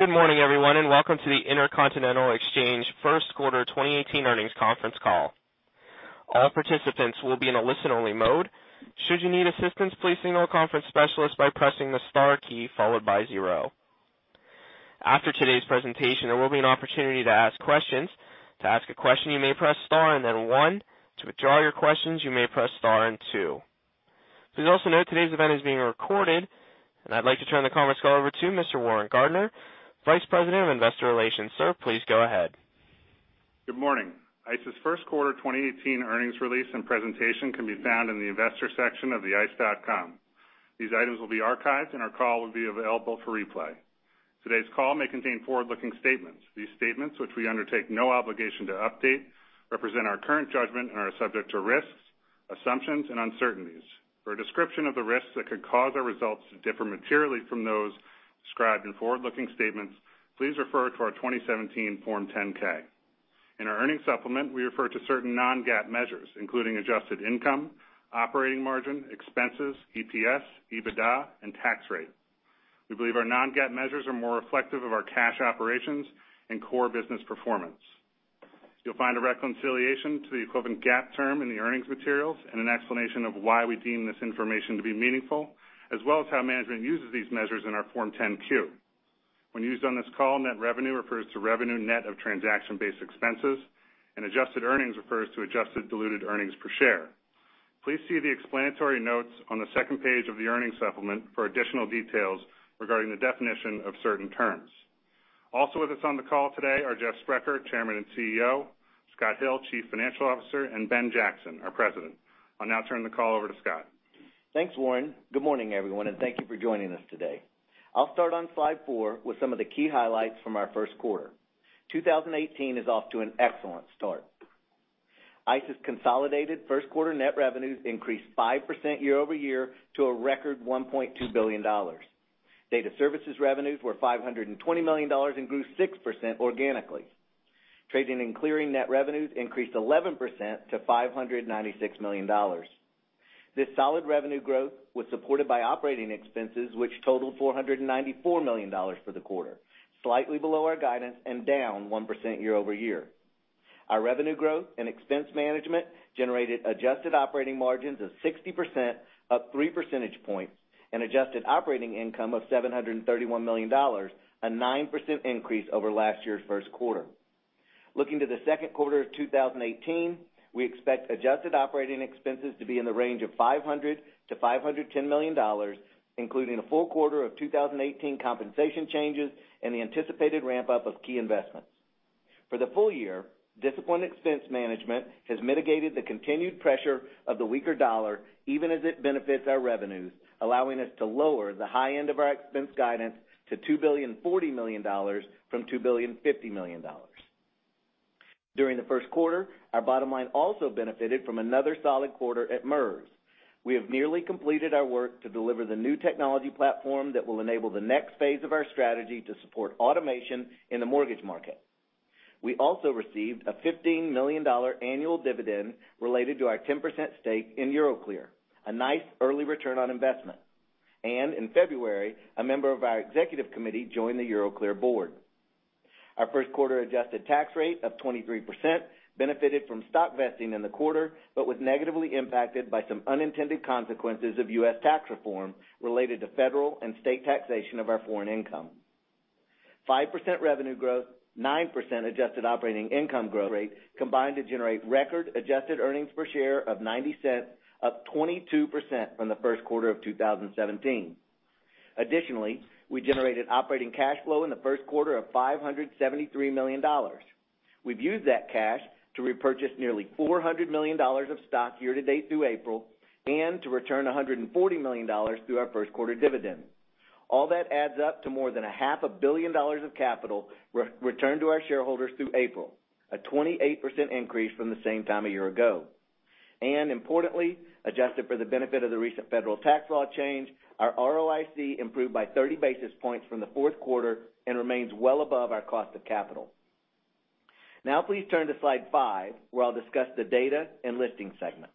Good morning, everyone, and welcome to the Intercontinental Exchange first quarter 2018 earnings conference call. All participants will be in a listen-only mode. Should you need assistance, please signal a conference specialist by pressing the star key followed by zero. After today's presentation, there will be an opportunity to ask questions. To ask a question, you may press star and then one. To withdraw your questions, you may press star and two. Please also note today's event is being recorded, and I'd like to turn the conference call over to Mr. Warren Gardiner, Vice President of Investor Relations. Sir, please go ahead. Good morning. ICE's first quarter 2018 earnings release and presentation can be found in the investor section of ice.com. These items will be archived, and our call will be available for replay. Today's call may contain forward-looking statements. These statements, which we undertake no obligation to update, represent our current judgment and are subject to risks, assumptions, and uncertainties. For a description of the risks that could cause our results to differ materially from those described in forward-looking statements, please refer to our 2017 Form 10-K. In our earnings supplement, we refer to certain non-GAAP measures, including adjusted income, operating margin, expenses, EPS, EBITDA, and tax rate. We believe our non-GAAP measures are more reflective of our cash operations and core business performance. You'll find a reconciliation to the equivalent GAAP term in the earnings materials and an explanation of why we deem this information to be meaningful, as well as how management uses these measures in our Form 10-Q. When used on this call, net revenue refers to revenue net of transaction-based expenses, and adjusted earnings refers to adjusted diluted earnings per share. Please see the explanatory notes on the second page of the earnings supplement for additional details regarding the definition of certain terms. Also with us on the call today are Jeff Sprecher, Chairman and CEO, Scott Hill, Chief Financial Officer, and Ben Jackson, our President. I'll now turn the call over to Scott. Thanks, Warren. Good morning, everyone, and thank you for joining us today. I'll start on slide four with some of the key highlights from our first quarter. 2018 is off to an excellent start. ICE's consolidated first quarter net revenues increased 5% year-over-year to a record $1.2 billion. Data services revenues were $520 million and grew 6% organically. Trading and clearing net revenues increased 11% to $596 million. This solid revenue growth was supported by operating expenses, which totaled $494 million for the quarter, slightly below our guidance and down 1% year-over-year. Our revenue growth and expense management generated adjusted operating margins of 60%, up three percentage points, and adjusted operating income of $731 million, a 9% increase over last year's first quarter. Looking to the second quarter of 2018, we expect adjusted operating expenses to be in the range of $500 million to $510 million, including a full quarter of 2018 compensation changes and the anticipated ramp-up of key investments. For the full year, disciplined expense management has mitigated the continued pressure of the weaker dollar, even as it benefits our revenues, allowing us to lower the high end of our expense guidance to $2,040 million from $2,050 million. During the first quarter, our bottom line also benefited from another solid quarter at MERS. We have nearly completed our work to deliver the new technology platform that will enable the next phase of our strategy to support automation in the mortgage market. We also received a $15 million annual dividend related to our 10% stake in Euroclear, a nice early return on investment. In February, a member of our executive committee joined the Euroclear board. Our first quarter-adjusted tax rate of 23% benefited from stock vesting in the quarter but was negatively impacted by some unintended consequences of U.S. tax reform related to federal and state taxation of our foreign income. 5% revenue growth, 9% adjusted operating income growth rate combined to generate record-adjusted earnings per share of $0.90, up 22% from the first quarter of 2017. Additionally, we generated operating cash flow in the first quarter of $573 million. We've used that cash to repurchase nearly $400 million of stock year-to-date through April and to return $140 million through our first quarter dividend. All that adds up to more than a half a billion dollars of capital returned to our shareholders through April, a 28% increase from the same time a year ago. Importantly, adjusted for the benefit of the recent federal tax law change, our ROIC improved by 30 basis points from the fourth quarter and remains well above our cost of capital. Please turn to slide five, where I'll discuss the data and listing segment.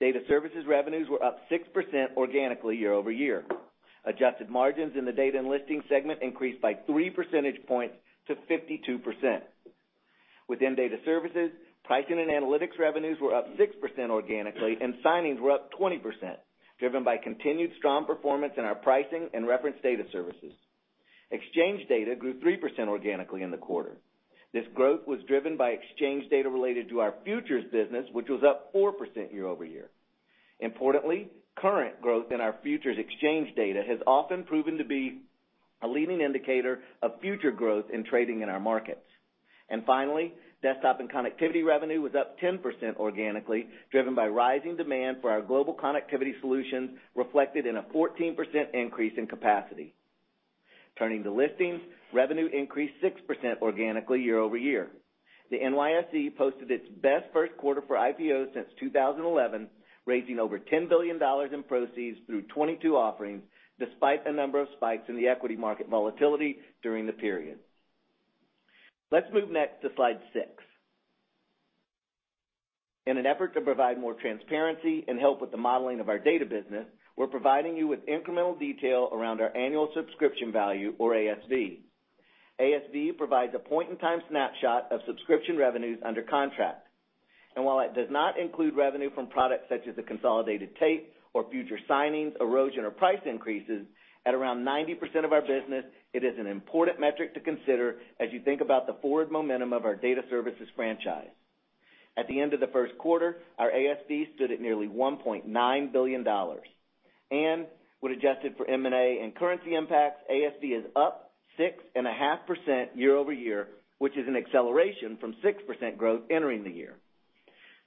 Data Services revenues were up 6% organically year-over-year. Adjusted margins in the data and listing segment increased by three percentage points to 52%. Within Data Services, pricing and analytics revenues were up 6% organically, and signings were up 20%, driven by continued strong performance in our pricing and reference data services. Exchange data grew 3% organically in the quarter. This growth was driven by exchange data related to our futures business, which was up 4% year-over-year. Importantly, current growth in our futures exchange data has often proven to be a leading indicator of future growth in trading in our markets. Finally, desktop and connectivity revenue was up 10% organically, driven by rising demand for our global connectivity solutions, reflected in a 14% increase in capacity. Turning to listings, revenue increased 6% organically year-over-year. The NYSE posted its best first quarter for IPOs since 2011, raising over $10 billion in proceeds through 22 offerings, despite a number of spikes in the equity market volatility during the period. Let's move next to slide six. In an effort to provide more transparency and help with the modeling of our data business, we're providing you with incremental detail around our annual subscription value or ASV. ASV provides a point in time snapshot of subscription revenues under contract. While it does not include revenue from products such as the consolidated tape or future signings, erosion, or price increases, at around 90% of our business, it is an important metric to consider as you think about the forward momentum of our data services franchise. At the end of the first quarter, our ASV stood at nearly $1.9 billion. When adjusted for M&A and currency impacts, ASV is up 6.5% year-over-year, which is an acceleration from 6% growth entering the year.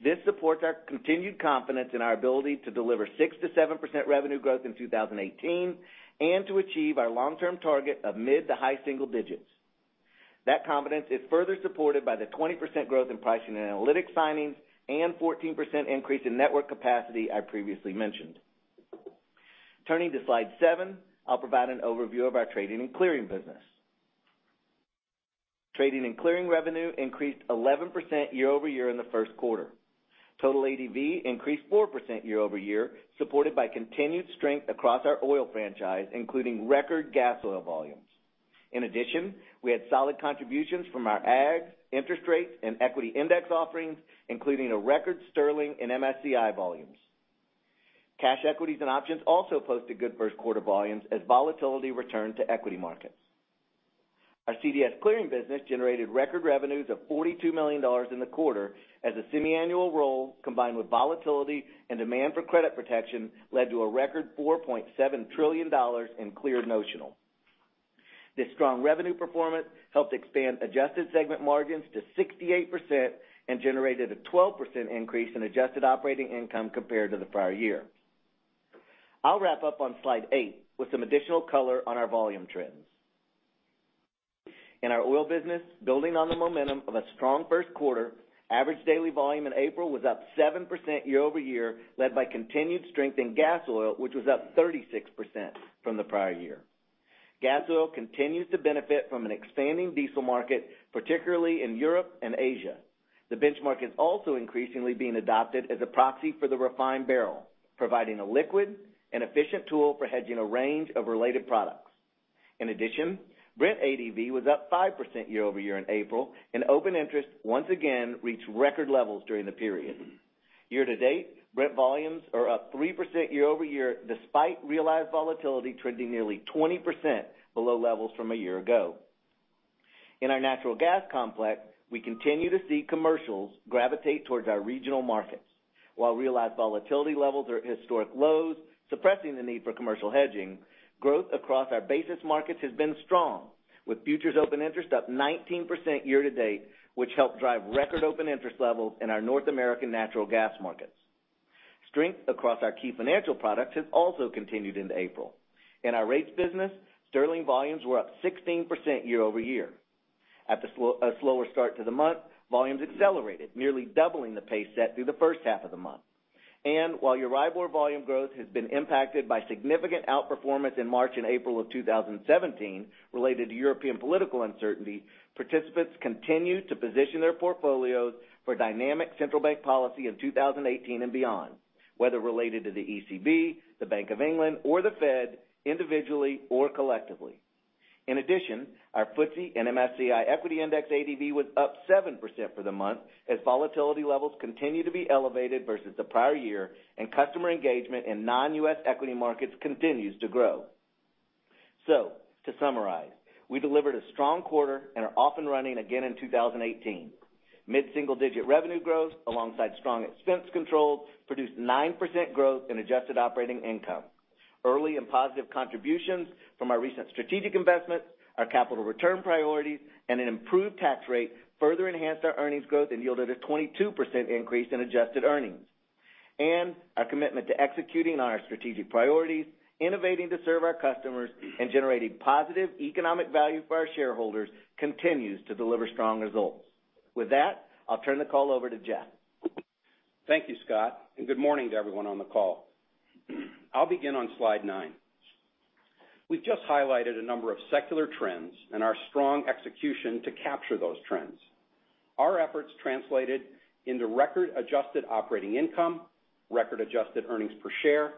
This supports our continued confidence in our ability to deliver 6%-7% revenue growth in 2018, and to achieve our long-term target of mid to high single digits. That confidence is further supported by the 20% growth in pricing and analytics signings and 14% increase in network capacity I previously mentioned. Turning to slide seven, I'll provide an overview of our trading and clearing business. Trading and clearing revenue increased 11% year-over-year in the first quarter. Total ADV increased 4% year-over-year, supported by continued strength across our oil franchise, including record gas oil volumes. In addition, we had solid contributions from our ag, interest rates, and equity index offerings, including a record sterling in MSCI volumes. Cash equities and options also posted good first quarter volumes as volatility returned to equity markets. Our CDS clearing business generated record revenues of $42 million in the quarter as a semiannual roll, combined with volatility and demand for credit protection, led to a record $4.7 trillion in cleared notional. This strong revenue performance helped expand adjusted segment margins to 68% and generated a 12% increase in adjusted operating income compared to the prior year. I'll wrap up on slide eight with some additional color on our volume trends. In our oil business, building on the momentum of a strong first quarter, average daily volume in April was up 7% year-over-year, led by continued strength in gas oil, which was up 36% from the prior year. Gas oil continues to benefit from an expanding diesel market, particularly in Europe and Asia. The benchmark is also increasingly being adopted as a proxy for the refined barrel, providing a liquid and efficient tool for hedging a range of related products. In addition, Brent ADV was up 5% year-over-year in April, and open interest once again reached record levels during the period. Year-to-date, Brent volumes are up 3% year-over-year, despite realized volatility trending nearly 20% below levels from a year ago. In our natural gas complex, we continue to see commercials gravitate towards our regional markets. While realized volatility levels are at historic lows, suppressing the need for commercial hedging, growth across our basis markets has been strong, with futures open interest up 19% year-to-date, which helped drive record open interest levels in our North American natural gas markets. Strength across our key financial products has also continued into April. In our rates business, sterling volumes were up 16% year-over-year. At a slower start to the month, volumes accelerated, nearly doubling the pace set through the first half of the month. While EURIBOR volume growth has been impacted by significant outperformance in March and April of 2017 related to European political uncertainty, participants continue to position their portfolios for dynamic central bank policy in 2018 and beyond, whether related to the ECB, the Bank of England, or the Fed, individually or collectively. In addition, our FTSE and MSCI equity index ADV was up 7% for the month as volatility levels continue to be elevated versus the prior year and customer engagement in non-U.S. equity markets continues to grow. To summarize, we delivered a strong quarter and are off and running again in 2018. Mid single-digit revenue growth alongside strong expense controls produced 9% growth in adjusted operating income. Early and positive contributions from our recent strategic investments, our capital return priorities, and an improved tax rate further enhanced our earnings growth and yielded a 22% increase in adjusted earnings. Our commitment to executing on our strategic priorities, innovating to serve our customers, and generating positive economic value for our shareholders continues to deliver strong results. With that, I'll turn the call over to Jeff. Thank you, Scott. Good morning to everyone on the call. I'll begin on slide nine. We've just highlighted a number of secular trends and our strong execution to capture those trends. Our efforts translated into record adjusted operating income, record adjusted earnings per share,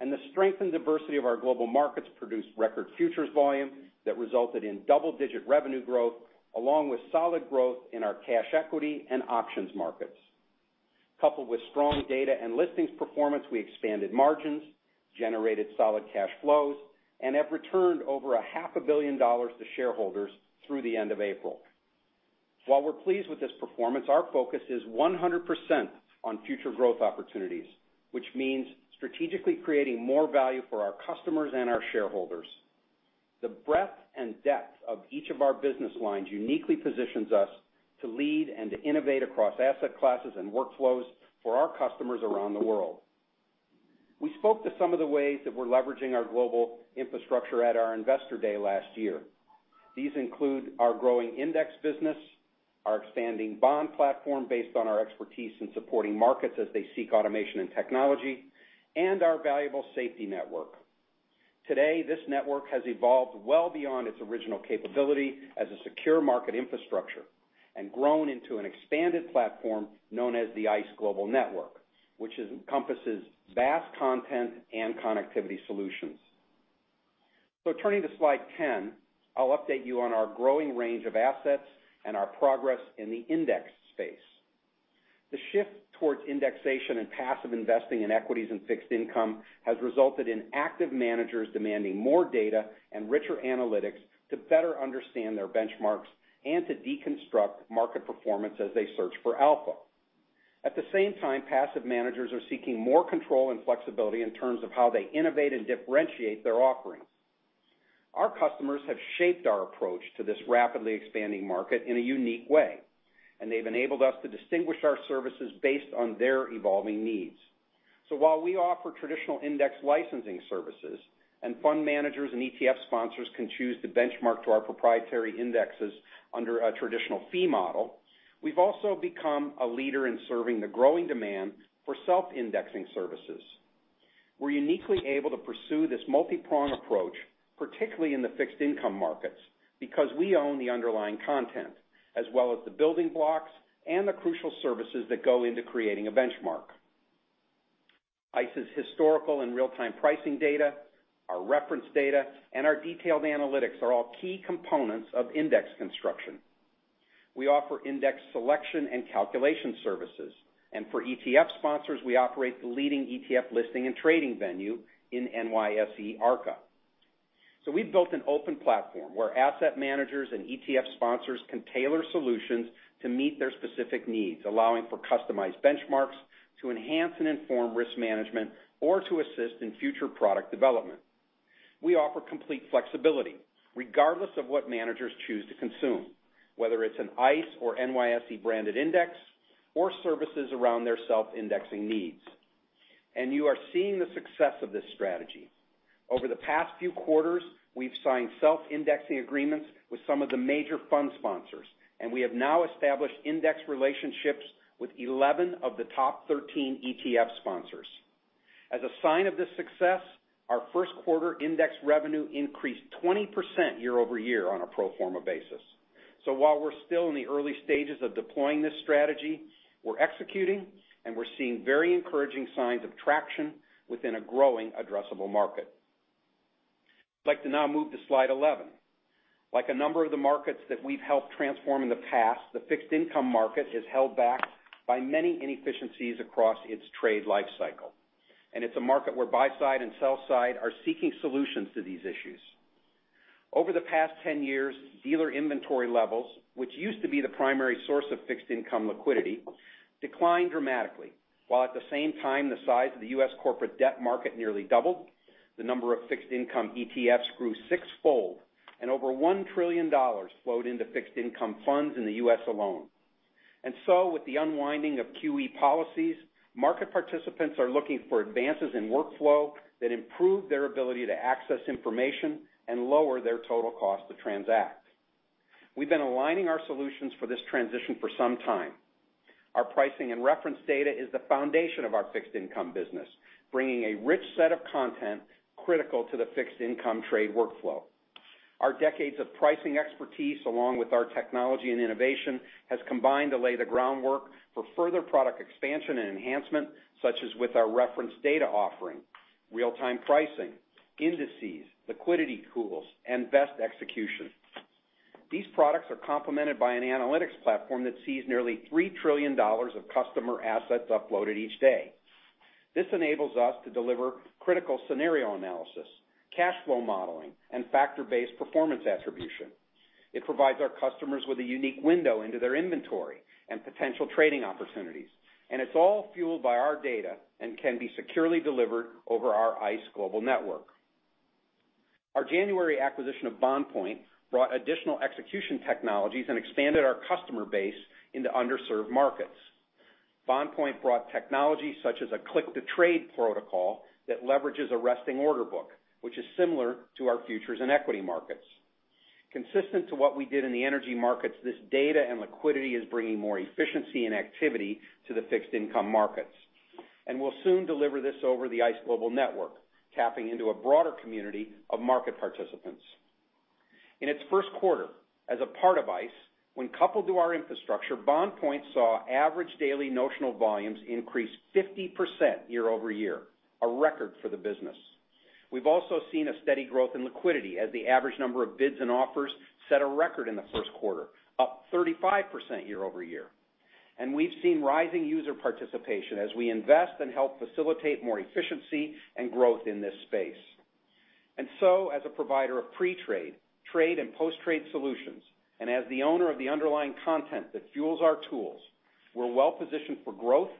and the strength and diversity of our global markets produced record futures volume that resulted in double-digit revenue growth, along with solid growth in our cash equity and options markets. Coupled with strong data and listings performance, we expanded margins, generated solid cash flows, and have returned over half a billion dollars to shareholders through the end of April. While we're pleased with this performance, our focus is 100% on future growth opportunities, which means strategically creating more value for our customers and our shareholders. The breadth and depth of each of our business lines uniquely positions us to lead and to innovate across asset classes and workflows for our customers around the world. We spoke to some of the ways that we're leveraging our global infrastructure at our investor day last year. These include our growing index business, our expanding bond platform based on our expertise in supporting markets as they seek automation and technology, and our valuable safety network. Today, this network has evolved well beyond its original capability as a secure market infrastructure and grown into an expanded platform known as the ICE Global Network, which encompasses vast content and connectivity solutions. Turning to slide 10, I'll update you on our growing range of assets and our progress in the index space. The shift towards indexation and passive investing in equities and fixed income has resulted in active managers demanding more data and richer analytics to better understand their benchmarks and to deconstruct market performance as they search for alpha. At the same time, passive managers are seeking more control and flexibility in terms of how they innovate and differentiate their offerings. Our customers have shaped our approach to this rapidly expanding market in a unique way, and they've enabled us to distinguish our services based on their evolving needs. While we offer traditional index licensing services, and fund managers and ETF sponsors can choose to benchmark to our proprietary indexes under a traditional fee model, we've also become a leader in serving the growing demand for self-indexing services. We're uniquely able to pursue this multipronged approach, particularly in the fixed income markets, because we own the underlying content, as well as the building blocks and the crucial services that go into creating a benchmark. ICE's historical and real-time pricing data, our reference data, and our detailed analytics are all key components of index construction. We offer index selection and calculation services, and for ETF sponsors, we operate the leading ETF listing and trading venue in NYSE Arca. We've built an open platform where asset managers and ETF sponsors can tailor solutions to meet their specific needs, allowing for customized benchmarks to enhance and inform risk management or to assist in future product development. We offer complete flexibility regardless of what managers choose to consume, whether it's an ICE or NYSE-branded index or services around their self-indexing needs. You are seeing the success of this strategy. Over the past few quarters, we've signed self-indexing agreements with some of the major fund sponsors, and we have now established index relationships with 11 of the top 13 ETF sponsors. As a sign of this success, our first quarter index revenue increased 20% year-over-year on a pro forma basis. While we're still in the early stages of deploying this strategy, we're executing, and we're seeing very encouraging signs of traction within a growing addressable market. I'd like to now move to slide 11. Like a number of the markets that we've helped transform in the past, the fixed income market is held back by many inefficiencies across its trade life cycle. It's a market where buy side and sell side are seeking solutions to these issues. Over the past 10 years, dealer inventory levels, which used to be the primary source of fixed income liquidity, declined dramatically. While at the same time, the size of the U.S. corporate debt market nearly doubled, the number of fixed income ETFs grew sixfold, and over $1 trillion flowed into fixed income funds in the U.S. alone. With the unwinding of QE policies, market participants are looking for advances in workflow that improve their ability to access information and lower their total cost to transact. We've been aligning our solutions for this transition for some time. Our pricing and reference data is the foundation of our fixed income business, bringing a rich set of content critical to the fixed income trade workflow. Our decades of pricing expertise, along with our technology and innovation, has combined to lay the groundwork for further product expansion and enhancement, such as with our reference data offering, real-time pricing, indices, liquidity tools, and best execution. These products are complemented by an analytics platform that sees nearly $3 trillion of customer assets uploaded each day. This enables us to deliver critical scenario analysis, cash flow modeling, and factor-based performance attribution. It provides our customers with a unique window into their inventory and potential trading opportunities. It's all fueled by our data and can be securely delivered over our ICE Global Network. Our January acquisition of BondPoint brought additional execution technologies and expanded our customer base into underserved markets. BondPoint brought technology such as a click to trade protocol that leverages a resting order book, which is similar to our futures and equity markets. Consistent to what we did in the energy markets, this data and liquidity is bringing more efficiency and activity to the fixed income markets. We'll soon deliver this over the ICE Global Network, tapping into a broader community of market participants. In its first quarter as a part of ICE, when coupled to our infrastructure, BondPoint saw average daily notional volumes increase 50% year-over-year, a record for the business. We've also seen a steady growth in liquidity as the average number of bids and offers set a record in the first quarter, up 35% year-over-year. We've seen rising user participation as we invest and help facilitate more efficiency and growth in this space. As a provider of pre-trade, trade, and post-trade solutions, and as the owner of the underlying content that fuels our tools, we're well positioned for growth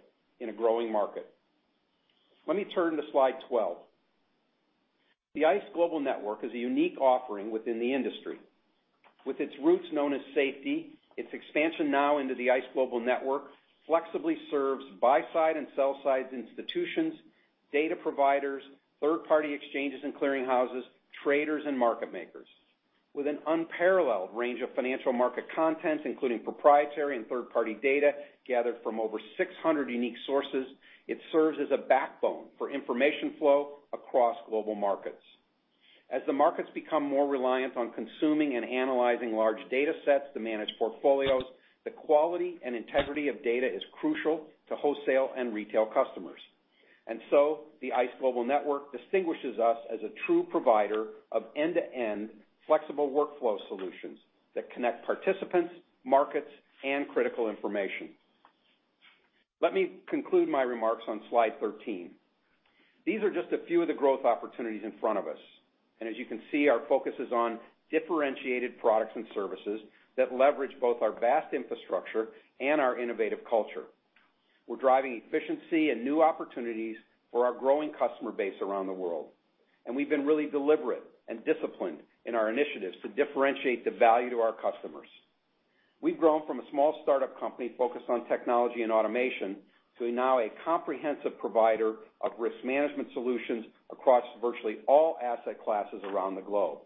in a growing market. Let me turn to slide 12. The ICE Global Network is a unique offering within the industry. With its roots known as Savvis, its expansion now into the ICE Global Network flexibly serves buy side and sell side institutions, data providers, third-party exchanges and clearing houses, traders, and market makers. With an unparalleled range of financial market content, including proprietary and third-party data gathered from over 600 unique sources, it serves as a backbone for information flow across global markets. As the markets become more reliant on consuming and analyzing large data sets to manage portfolios, the quality and integrity of data is crucial to wholesale and retail customers. The ICE Global Network distinguishes us as a true provider of end-to-end flexible workflow solutions that connect participants, markets, and critical information. Let me conclude my remarks on slide 13. These are just a few of the growth opportunities in front of us. As you can see, our focus is on differentiated products and services that leverage both our vast infrastructure and our innovative culture. We're driving efficiency and new opportunities for our growing customer base around the world, and we've been really deliberate and disciplined in our initiatives to differentiate the value to our customers. We've grown from a small startup company focused on technology and automation to now a comprehensive provider of risk management solutions across virtually all asset classes around the globe.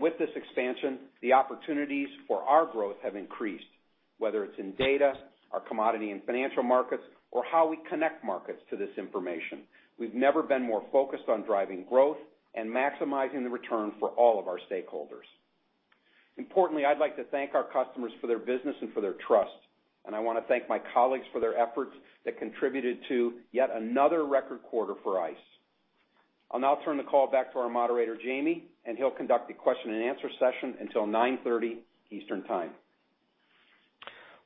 With this expansion, the opportunities for our growth have increased, whether it's in data, our commodity and financial markets, or how we connect markets to this information. We've never been more focused on driving growth and maximizing the return for all of our stakeholders. Importantly, I'd like to thank our customers for their business and for their trust, and I want to thank my colleagues for their efforts that contributed to yet another record quarter for ICE. I'll now turn the call back to our moderator, Jamie, and he'll conduct the question and answer session until 9:30 Eastern Time.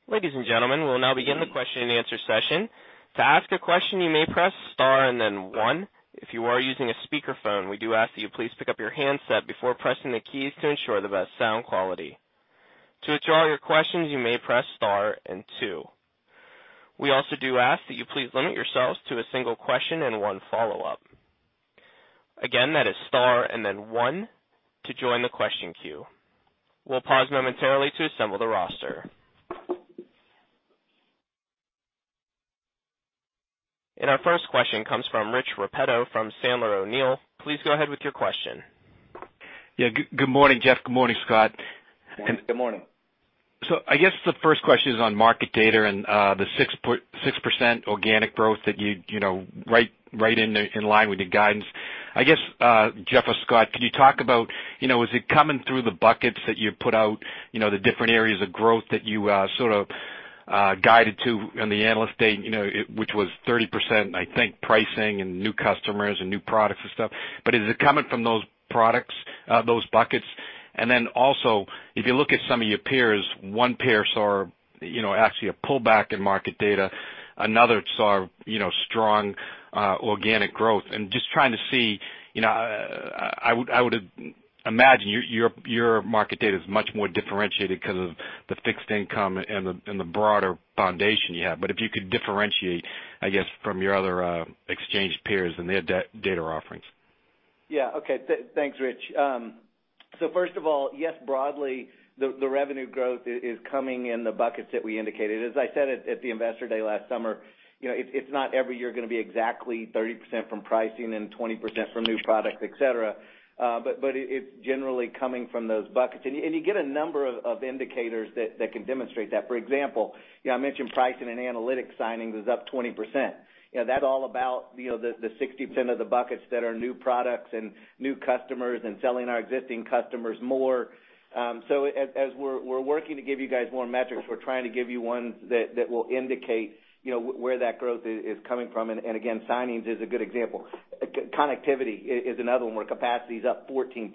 Ladies and gentlemen, we'll now begin the question and answer session. To ask a question, you may press star and then one. If you are using a speakerphone, we do ask that you please pick up your handset before pressing the keys to ensure the best sound quality. To withdraw your questions, you may press star and two. We also do ask that you please limit yourselves to a single question and one follow-up. Again, that is star and then one to join the question queue. We'll pause momentarily to assemble the roster. Our first question comes from Rich Repetto from Sandler O'Neill. Please go ahead with your question. Yeah. Good morning, Jeff. Good morning, Scott. Good morning. I guess the first question is on market data and the 6% organic growth that you'd write in line with your guidance. I guess, Jeff or Scott, can you talk about, is it coming through the buckets that you put out, the different areas of growth that you sort of guided to on the Analyst Day, which was 30%, I think, pricing and new customers and new products and stuff. Is it coming from those products, those buckets? Then also, if you look at some of your peers, one peer saw actually a pullback in market data, another saw strong organic growth. Just trying to see, I would imagine your market data is much more differentiated because of the fixed income and the broader foundation you have. If you could differentiate, I guess, from your other exchange peers and their data offerings. Yeah. Okay. Thanks, Rich. First of all, yes, broadly, the revenue growth is coming in the buckets that we indicated. As I said at the Investor Day last summer, it's not every year going to be exactly 30% from pricing and 20% from new products, et cetera. It's generally coming from those buckets. You get a number of indicators that can demonstrate that. For example, I mentioned pricing and analytics signings is up 20%. That's all about the 60% of the buckets that are new products and new customers and selling our existing customers more. As we're working to give you guys more metrics, we're trying to give you ones that will indicate where that growth is coming from. Again, signings is a good example. Connectivity is another one where capacity is up 14%.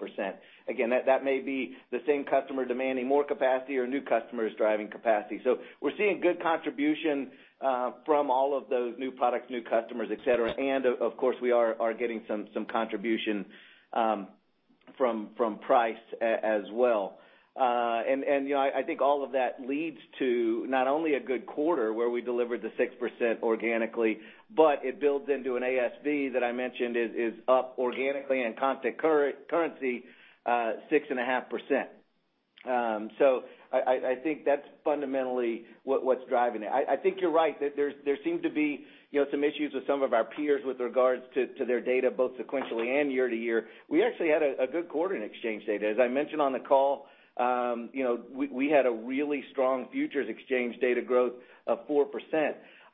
Again, that may be the same customer demanding more capacity or new customers driving capacity. We're seeing good contribution from all of those new products, new customers, et cetera. Of course, we are getting some contribution from price as well. I think all of that leads to not only a good quarter where we delivered the 6% organically, but it builds into an ASV that I mentioned is up organically and constant currency, 6.5%. I think that's fundamentally what's driving it. I think you're right. There seem to be some issues with some of our peers with regards to their data, both sequentially and year-to-year. We actually had a good quarter in exchange data. As I mentioned on the call, we had a really strong futures exchange data growth of 4%.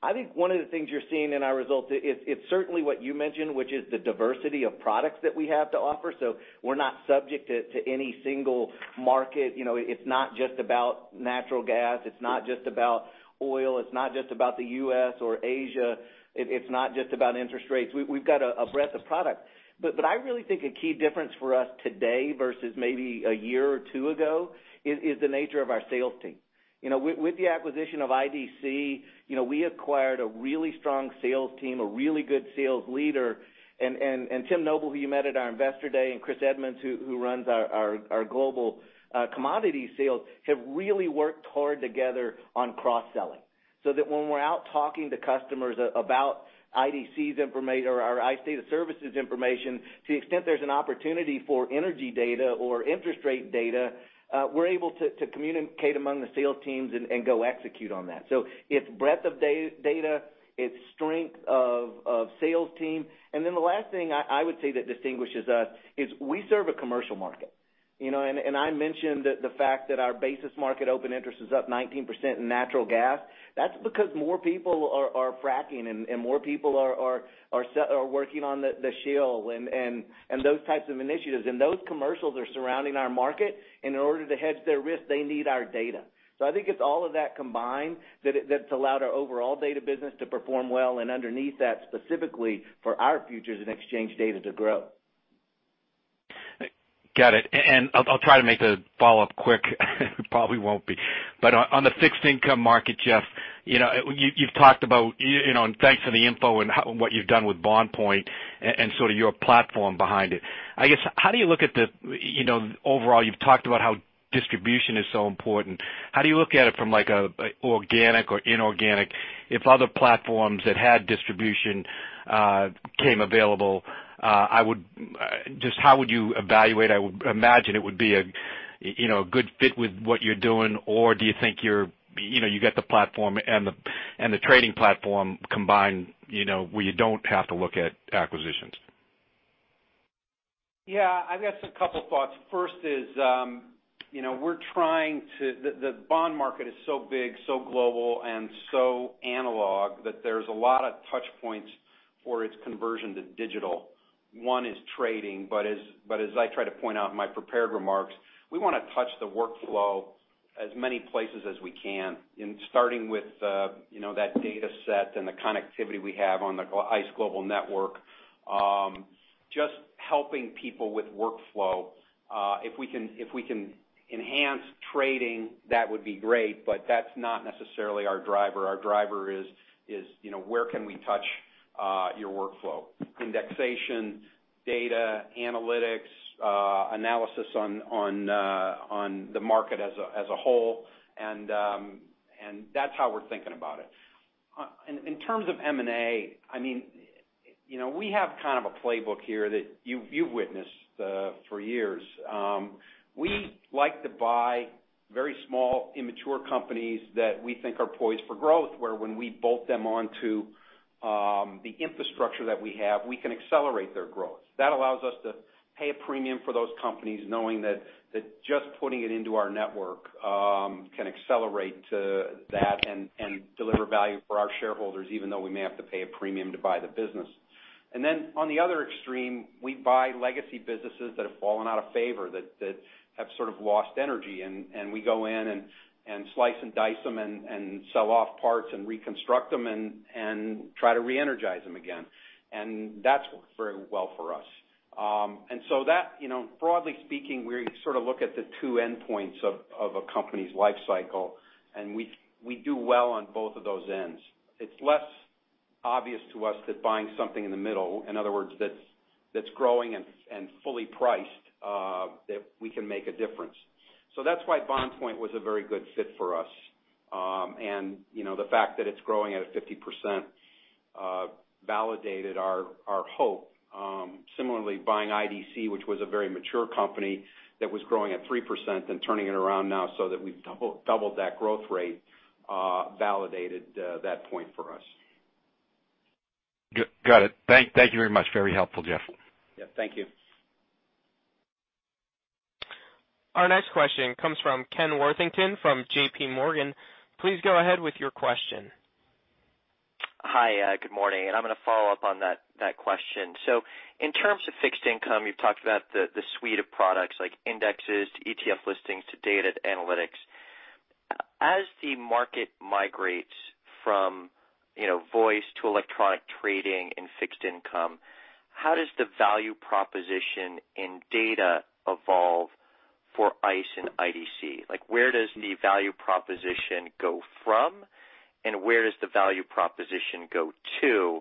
I think one of the things you're seeing in our results, it's certainly what you mentioned, which is the diversity of products that we have to offer. We're not subject to any single market. It's not just about natural gas. It's not just about oil. It's not just about the U.S. or Asia. It's not just about interest rates. We've got a breadth of product. I really think a key difference for us today versus maybe a year or two ago is the nature of our sales team. With the acquisition of IDC, we acquired a really strong sales team, a really good sales leader. Tim Noble, who you met at our Investor Day, and Chris Edmonds, who runs our global commodity sales, have really worked hard together on cross-selling, so that when we're out talking to customers about IDC's information or our ICE Data Services information, to the extent there's an opportunity for energy data or interest rate data, we're able to communicate among the sales teams and go execute on that. It's breadth of data, it's strength of sales team. The last thing I would say that distinguishes us is we serve a commercial market. I mentioned the fact that our basis market open interest is up 19% in natural gas. That's because more people are fracking and more people are working on the shale and those types of initiatives. Those commercials are surrounding our market. In order to hedge their risk, they need our data. I think it's all of that combined that's allowed our overall data business to perform well, and underneath that, specifically for our futures and exchange data to grow. Got it. I'll try to make the follow-up quick. Probably won't be. On the fixed income market, Jeff, you've talked about, and thanks for the info on what you've done with BondPoint and sort of your platform behind it. I guess, how do you look at the overall, you've talked about how distribution is so important. How do you look at it from, like, organic or inorganic? If other platforms that had distribution came available, just how would you evaluate? I would imagine it would be a good fit with what you're doing. Do you think you got the platform and the trading platform combined, where you don't have to look at acquisitions? Yeah. I've got a couple thoughts. First is, the bond market is so big, so global, and so analog that there's a lot of touch points for its conversion to digital. One is trading, but as I try to point out in my prepared remarks, we want to touch the workflow as many places as we can, starting with that data set and the connectivity we have on the ICE Global Network. Just helping people with workflow. If we can enhance trading, that would be great, but that's not necessarily our driver. Our driver is, where can we touch your workflow? Indexation, data, analytics, analysis on the market as a whole, and that's how we're thinking about it. In terms of M&A, we have kind of a playbook here that you've witnessed for years. We like to buy very small, immature companies that we think are poised for growth, where when we bolt them onto the infrastructure that we have, we can accelerate their growth. That allows us to pay a premium for those companies, knowing that just putting it into our network can accelerate that and deliver value for our shareholders, even though we may have to pay a premium to buy the business. On the other extreme, we buy legacy businesses that have fallen out of favor, that have sort of lost energy, and we go in and slice and dice them and sell off parts and reconstruct them and try to re-energize them again. That's worked very well for us. That, broadly speaking, we sort of look at the two endpoints of a company's life cycle, and we do well on both of those ends. It's less obvious to us that buying something in the middle, in other words, that's growing and fully priced, that we can make a difference. That's why BondPoint was a very good fit for us. The fact that it's growing at a 50% validated our hope. Similarly, buying IDC, which was a very mature company that was growing at 3% and turning it around now so that we've doubled that growth rate, validated that point for us. Got it. Thank you very much. Very helpful, Jeff. Yeah. Thank you. Our next question comes from Ken Worthington from JPMorgan. Please go ahead with your question. Hi. Good morning. I'm going to follow up on that question. In terms of fixed income, you've talked about the suite of products like indexes to ETF listings to data to analytics. As the market migrates from voice to electronic trading and fixed income, how does the value proposition in data evolve for ICE and IDC? Like, where does the value proposition go from, and where does the value proposition go to?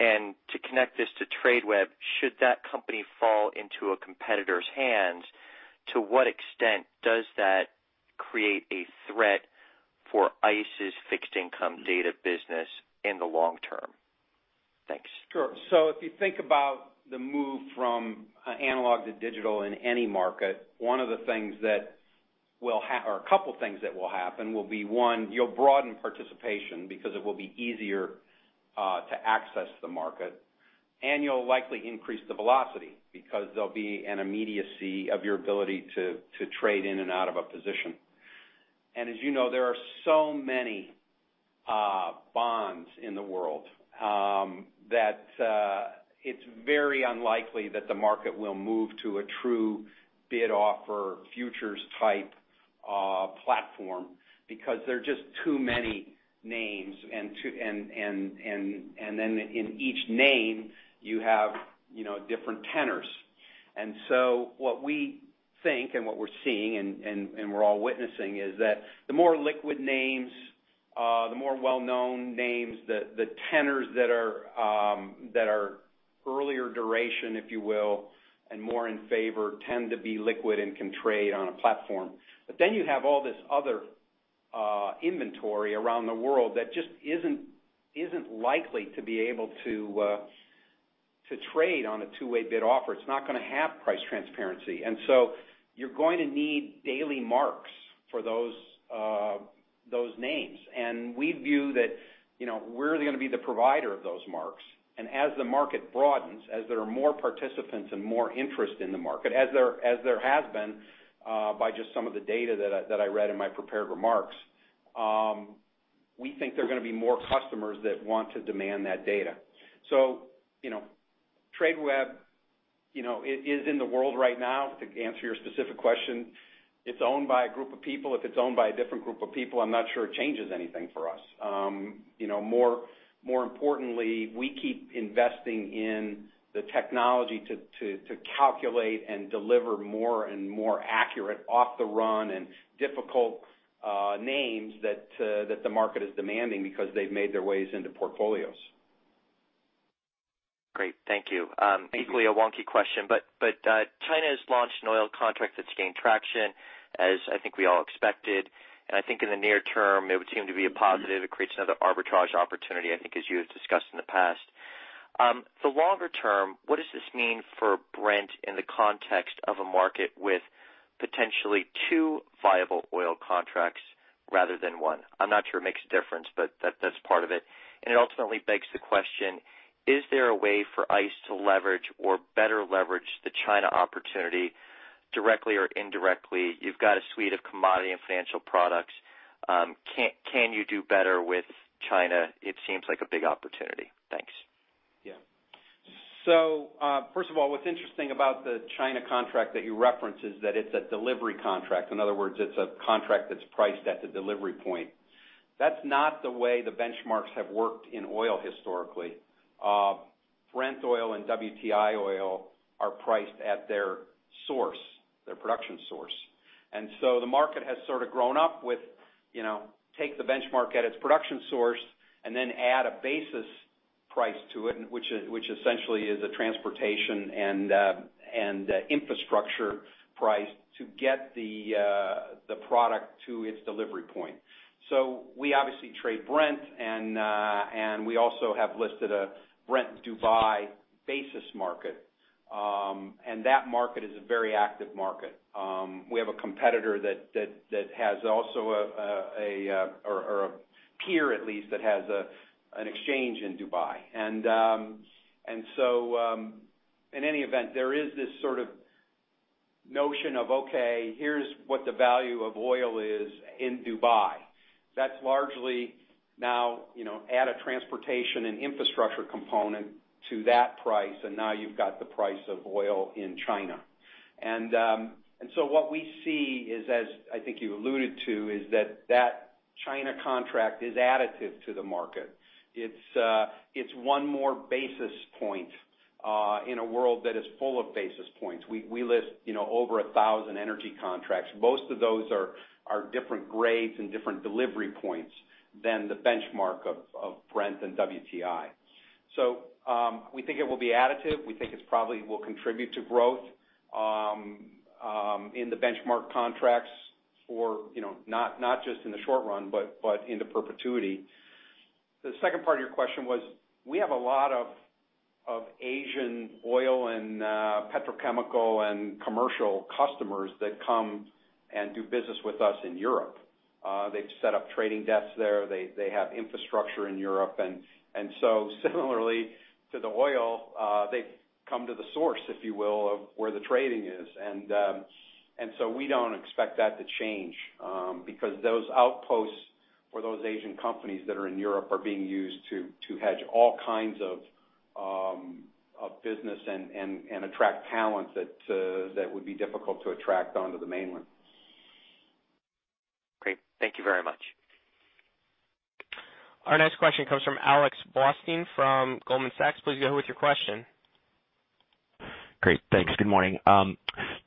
To connect this to Tradeweb, should that company fall into a competitor's hands, to what extent does that create a threat for ICE's fixed income data business in the long term? Thanks. Sure. If you think about the move from analog to digital in any market, a couple things that will happen will be, one, you'll broaden participation because it will be easier to access the market, and you'll likely increase the velocity because there'll be an immediacy of your ability to trade in and out of a position. As you know, there are so many bonds in the world, that it's very unlikely that the market will move to a true bid-offer futures type platform because there are just too many names. Then in each name, you have different tenors. What we think and what we're seeing and we're all witnessing is that the more liquid names, the more well-known names, the tenors that are earlier duration, if you will, and more in favor, tend to be liquid and can trade on a platform. You have all this other inventory around the world that just isn't likely to be able to trade on a two-way bid-offer. It's not going to have price transparency. You're going to need daily marks for those names. We view that we're going to be the provider of those marks. As the market broadens, as there are more participants and more interest in the market, as there has been by just some of the data that I read in my prepared remarks. We think there are going to be more customers that want to demand that data. Tradeweb is in the world right now, to answer your specific question. It's owned by a group of people. If it's owned by a different group of people, I'm not sure it changes anything for us. More importantly, we keep investing in the technology to calculate and deliver more and more accurate off-the-run and difficult names that the market is demanding because they've made their ways into portfolios. Great. Thank you. Equally a wonky question, China has launched an oil contract that's gained traction, as I think we all expected. I think in the near term, it would seem to be a positive. It creates another arbitrage opportunity, I think, as you have discussed in the past. The longer term, what does this mean for Brent in the context of a market with potentially two viable oil contracts rather than one? I'm not sure it makes a difference, but that's part of it. It ultimately begs the question, is there a way for ICE to leverage or better leverage the China opportunity directly or indirectly? You've got a suite of commodity and financial products. Can you do better with China? It seems like a big opportunity. Thanks. Yeah. First of all, what's interesting about the China contract that you reference is that it's a delivery contract. In other words, it's a contract that's priced at the delivery point. That's not the way the benchmarks have worked in oil historically. Brent oil and WTI oil are priced at their source, their production source. The market has sort of grown up with take the benchmark at its production source and then add a basis price to it, which essentially is a transportation and infrastructure price to get the product to its delivery point. We obviously trade Brent, and we also have listed a Brent Dubai basis market. That market is a very active market. We have a competitor that has also a peer, at least, that has an exchange in Dubai. In any event, there is this sort of notion of, okay, here's what the value of oil is in Dubai. That's largely now add a transportation and infrastructure component to that price, and now you've got the price of oil in China. What we see is, as I think you alluded to, is that that China contract is additive to the market. It's one more basis point in a world that is full of basis points. We list over 1,000 energy contracts. Most of those are different grades and different delivery points than the benchmark of Brent and WTI. We think it will be additive. We think it probably will contribute to growth in the benchmark contracts for not just in the short run, but into perpetuity. The second part of your question was, we have a lot of Asian oil and petrochemical and commercial customers that come and do business with us in Europe. They've set up trading desks there. They have infrastructure in Europe. Similarly to the oil, they've come to the source, if you will, of where the trading is. We don't expect that to change because those outposts for those Asian companies that are in Europe are being used to hedge all kinds of business and attract talent that would be difficult to attract onto the mainland. Great. Thank you very much. Our next question comes from Alex Blostein from Goldman Sachs. Please go ahead with your question. Great. Thanks. Good morning.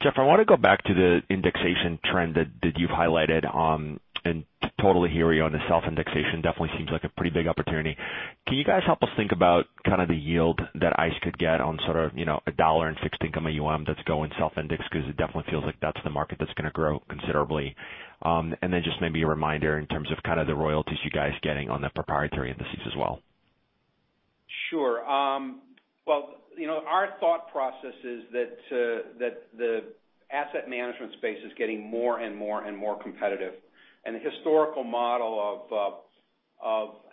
Jeff, I want to go back to the indexation trend that you've highlighted. Totally hear you on the self-indexation. Definitely seems like a pretty big opportunity. Can you guys help us think about kind of the yield that ICE could get on sort of a $1 in fixed income AUM that's going self-indexed? Because it definitely feels like that's the market that's going to grow considerably. Then just maybe a reminder in terms of kind of the royalties you guys getting on the proprietary indices as well. Sure. Well, our thought process is that the asset management space is getting more and more competitive. The historical model of.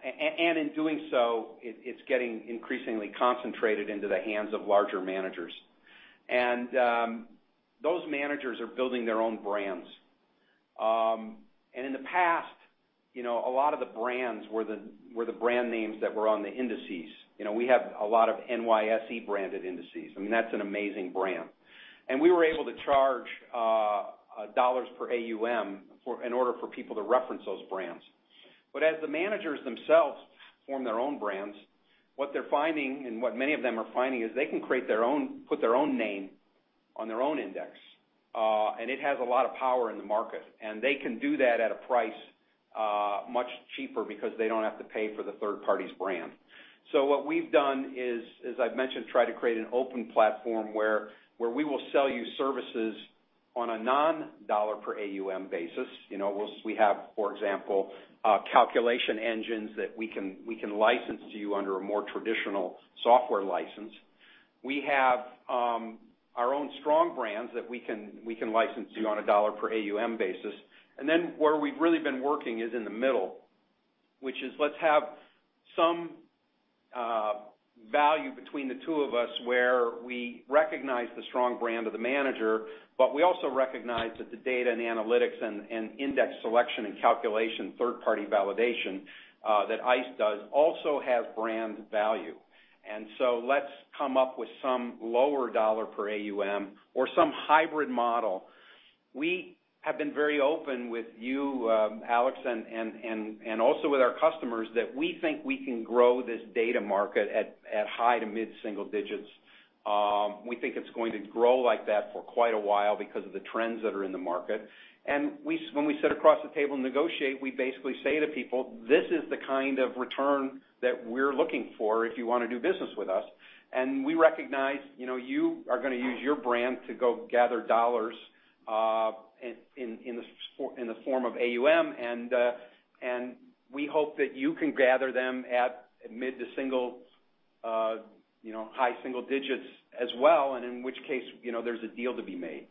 In doing so, it's getting increasingly concentrated into the hands of larger managers. Those managers are building their own brands. In the past, a lot of the brands were the brand names that were on the indices. We have a lot of NYSE-branded indices. I mean, that's an amazing brand. We were able to charge dollars per AUM in order for people to reference those brands. As the managers themselves form their own brands, what they're finding, and what many of them are finding, is they can put their own name on their own index. It has a lot of power in the market, and they can do that at a price much cheaper because they don't have to pay for the third party's brand. What we've done is, as I've mentioned, try to create an open platform where we will sell you services on a non-dollar-per-AUM basis. We have, for example, calculation engines that we can license to you under a more traditional software license. We have our own strong brands that we can license you on a dollar-per-AUM basis. Where we've really been working is in the middle. Which is, let's have some value between the two of us where we recognize the strong brand of the manager, but we also recognize that the data and analytics and index selection and calculation, third-party validation that ICE does also have brand value. Let's come up with some lower dollar per AUM or some hybrid model. We have been very open with you, Alex, and also with our customers that we think we can grow this data market at high to mid-single digits. We think it's going to grow like that for quite a while because of the trends that are in the market. When we sit across the table and negotiate, we basically say to people, "This is the kind of return that we're looking for if you want to do business with us. We recognize you are going to use your brand to go gather dollars in the form of AUM, and we hope that you can gather them at mid to high single digits as well, and in which case, there's a deal to be made."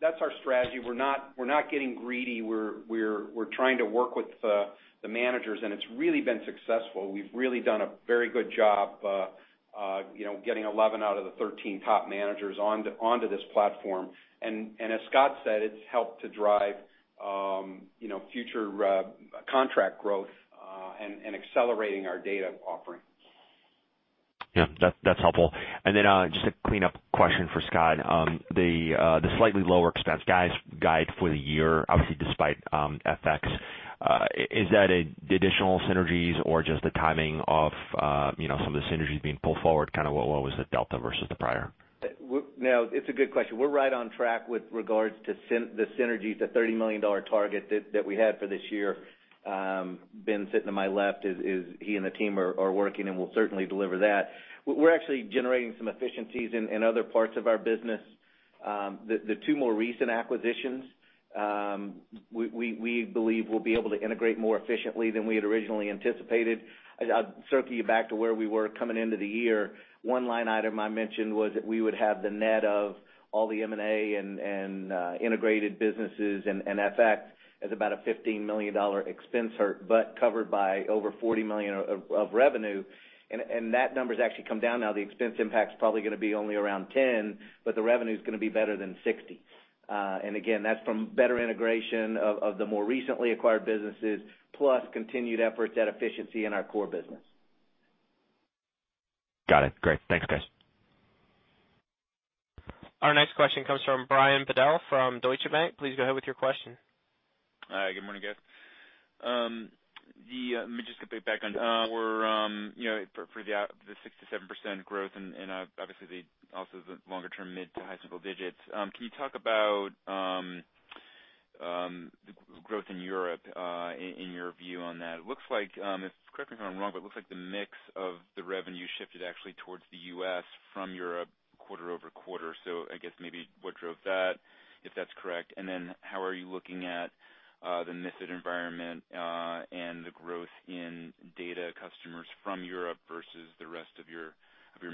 That's our strategy. We're not getting greedy. We're trying to work with the managers, and it's really been successful. We've really done a very good job getting 11 out of the 13 top managers onto this platform. As Scott said, it's helped to drive future contract growth and accelerating our data offering. Yeah, that's helpful. Just a cleanup question for Scott. The slightly lower expense guide for the year, obviously despite FX. Is that additional synergies or just the timing of some of the synergies being pulled forward, kind of what was the delta versus the prior? It's a good question. We're right on track with regards to the synergies, the $30 million target that we had for this year. Ben sitting to my left, he and the team are working, we'll certainly deliver that. We're actually generating some efficiencies in other parts of our business. The two more recent acquisitions, we believe we'll be able to integrate more efficiently than we had originally anticipated. I'll circle you back to where we were coming into the year. One line item I mentioned was that we would have the net of all the M&A and integrated businesses, FX as about a $15 million expense hurt, covered by over $40 million of revenue. That number's actually come down now. The expense impact's probably going to be only around $10, the revenue's going to be better than $60. That's from better integration of the more recently acquired businesses, plus continued efforts at efficiency in our core business. Got it. Great. Thanks, guys. Our next question comes from Brian Bedell from Deutsche Bank. Please go ahead with your question. Hi, good morning, guys. Let me just get back on for the six to seven percent growth and obviously also the longer-term mid to high single digits. Can you talk about growth in Europe, in your view on that? Correct me if I'm wrong, but it looks like the mix of the revenue shifted actually towards the U.S. from Europe quarter-over-quarter. I guess maybe what drove that, if that's correct, and then how are you looking at the MiFID environment and the growth in data customers from Europe versus the rest of your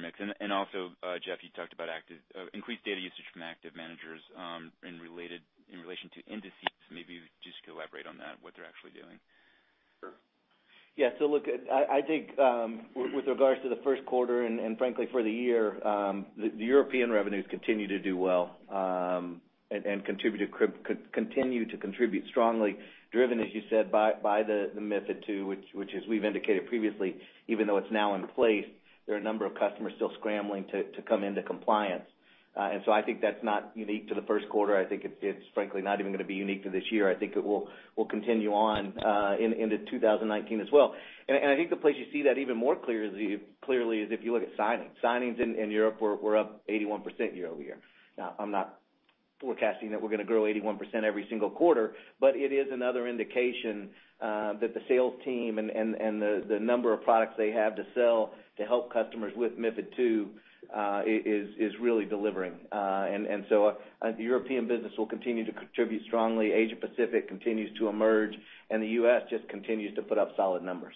mix? Jeff, you talked about increased data usage from active managers in relation to indices. Maybe just elaborate on that, what they're actually doing. Sure. Yeah. Look, I think with regards to the first quarter and frankly for the year, the European revenues continue to do well, and continue to contribute strongly, driven, as you said, by the MiFID II, which as we've indicated previously, even though it's now in place, there are a number of customers still scrambling to come into compliance. I think that's not unique to the first quarter. I think it's frankly not even going to be unique to this year. I think it will continue on into 2019 as well. I think the place you see that even more clearly is if you look at signings. Signings in Europe were up 81% year-over-year. Now, I'm not forecasting that we're going to grow 81% every single quarter, but it is another indication that the sales team and the number of products they have to sell to help customers with MiFID II is really delivering. The European business will continue to contribute strongly. Asia-Pacific continues to emerge, the U.S. just continues to put up solid numbers.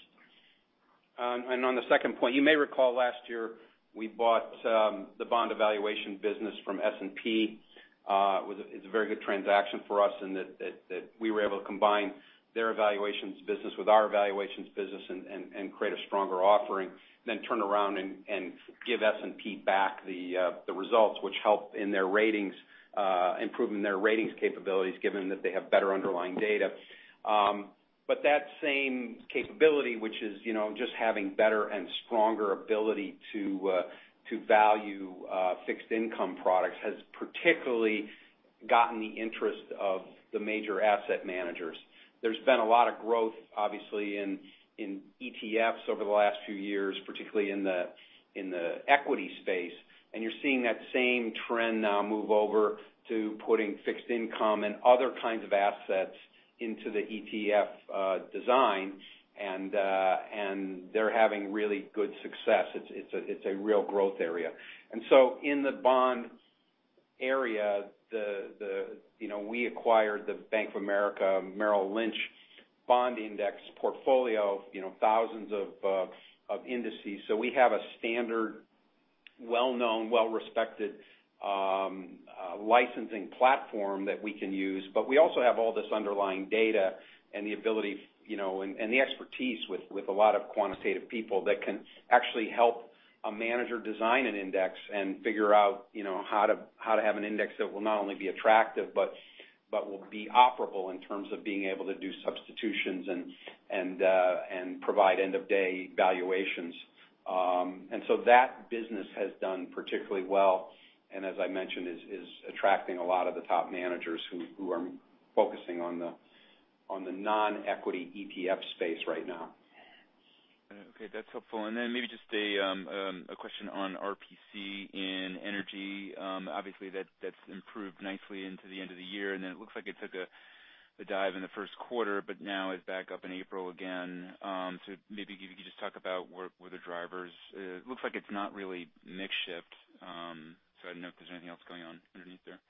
On the second point, you may recall last year, we bought the bond evaluation business from S&P. It's a very good transaction for us in that we were able to combine their evaluations business with our evaluations business and create a stronger offering, then turn around and give S&P back the results, which help in improving their ratings capabilities, given that they have better underlying data. That same capability, which is just having better and stronger ability to value fixed income products, has particularly gotten the interest of the major asset managers. There's been a lot of growth, obviously, in ETFs over the last few years, particularly in the equity space. You're seeing that same trend now move over to putting fixed income and other kinds of assets into the ETF design, and they're having really good success. It's a real growth area. In the bond area, we acquired the Bank of America Merrill Lynch bond index portfolio, thousands of indices. We have a standard well-known, well-respected licensing platform that we can use. We also have all this underlying data and the ability, and the expertise with a lot of quantitative people that can actually help a manager design an index and figure out how to have an index that will not only be attractive but will be operable in terms of being able to do substitutions and provide end-of-day valuations. That business has done particularly well, and as I mentioned, is attracting a lot of the top managers who are focusing on the non-equity ETF space right now. Okay, that's helpful. Then maybe just a question on RPC in energy. Obviously, that's improved nicely into the end of the year, then it looks like it took a dive in the first quarter, now is back up in April again. Maybe if you could just talk about where the drivers, it looks like it's not really mix-shift. I didn't know if there's anything else going on underneath there.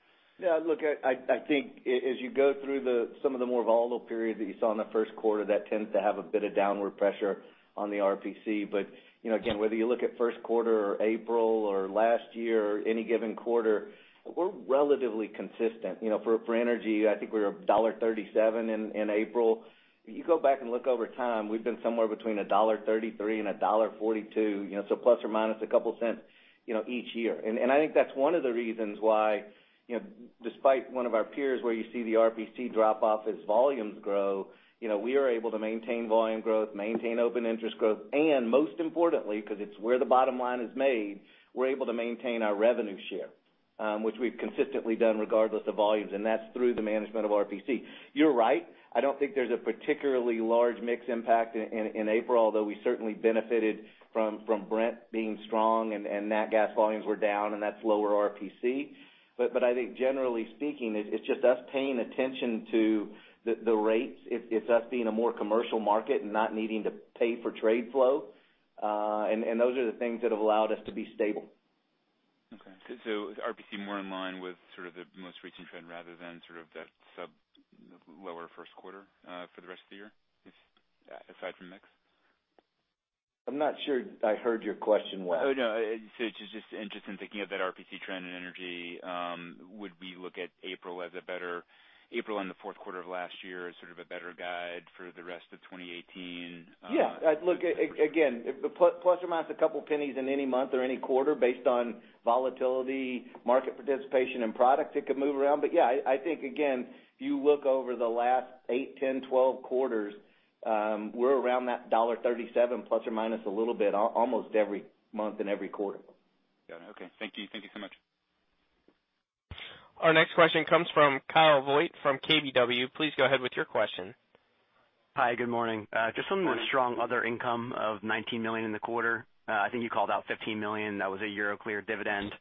Look, I think as you go through some of the more volatile periods that you saw in the first quarter, that tends to have a bit of downward pressure on the RPC. Again, whether you look at first quarter or April or last year or any given quarter, we're relatively consistent. For energy, I think we were $1.37 in April. You go back and look over time, we've been somewhere between $1.33 and $1.42, so plus or minus a couple cents, each year. I think that's one of the reasons why, despite one of our peers where you see the RPC drop-off as volumes grow, we are able to maintain volume growth, maintain open interest growth, and most importantly, because it's where the bottom line is made, we are able to maintain our revenue share, which we have consistently done regardless of volumes, and that's through the management of RPC. You are right, I don't think there's a particularly large mix impact in April, although we certainly benefited from Brent being strong and nat gas volumes were down, and that's lower RPC. I think generally speaking, it's just us paying attention to the rates. It's us being a more commercial market and not needing to pay for trade flow. Those are the things that have allowed us to be stable. Okay. Is RPC more in line with sort of the most recent trend rather than sort of that sub-lower first quarter for the rest of the year, aside from mix? I'm not sure I heard your question well. Oh, no. It's just interest in thinking of that RPC trend in energy. Would we look at April and the fourth quarter of last year as sort of a better guide for the rest of 2018? Yeah. Look, again, plus or minus a couple pennies in any month or any quarter, based on volatility, market participation, and product, it could move around. Yeah, I think, again, if you look over the last 8, 10, 12 quarters, we're around that $1.37 plus or minus a little bit almost every month and every quarter. Got it. Okay. Thank you. Thank you so much. Our next question comes from Kyle Voigt from KBW. Please go ahead with your question. Hi, good morning. Morning. On the strong other income of $19 million in the quarter. I think you called out $15 million. That was a Euroclear dividend.